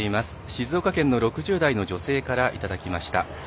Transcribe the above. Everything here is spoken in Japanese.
静岡県の６０代の女性からいただきました。